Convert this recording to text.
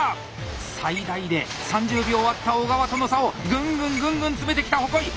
最大で３０秒あった小川との差をぐんぐんぐんぐん詰めてきた鉾井。